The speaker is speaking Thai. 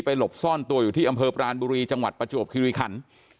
หลบซ่อนตัวอยู่ที่อำเภอปรานบุรีจังหวัดประจวบคิริขัน